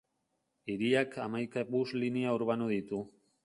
Hiriak hamaika bus-linea urbano ditu.